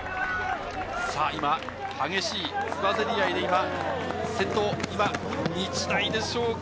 今、激しいつばぜり合いで先頭、今、日大でしょうか？